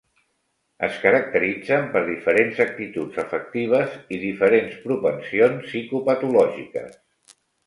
Es caracteritzen per diferents actituds afectives i diferents propensions psicopatològiques.